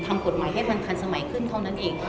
ทำกฎหมายให้มันทันสมัยขึ้นเท่านั้นเอง